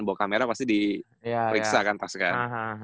bawa kamera pasti diperiksa kan pas sekarang